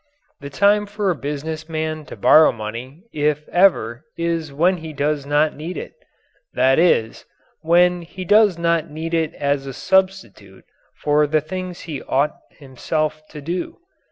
The time for a business man to borrow money, if ever, is when he does not need it. That is, when he does not need it as a substitute for the things he ought himself to do.